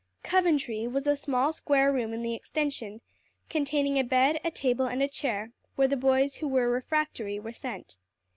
"Coventry" was a small square room in the extension, containing a bed, a table, and a chair, where the boys who were refractory were sent.